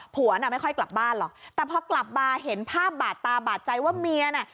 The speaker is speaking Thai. ผัวน่ะไม่ค่อยกลับบ้านหรอกแต่พอกลับมาเห็นภาพบาดตาบาดใจว่าเมียน่ะ